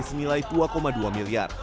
semilai rp dua dua miliar